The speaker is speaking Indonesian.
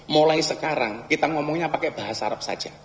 mulai sekarang kita ngomongnya pakai bahasa arab saja